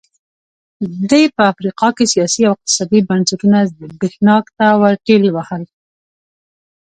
دې په افریقا کې سیاسي او اقتصادي بنسټونه زبېښاک ته ورټېل وهل.